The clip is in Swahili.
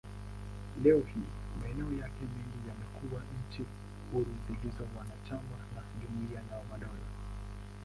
Leo hii, maeneo yake mengi yamekuwa nchi huru zilizo wanachama wa Jumuiya ya Madola.